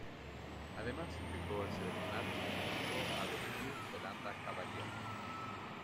Además integró el seleccionado que enfrentó a los New Zealand Cavaliers.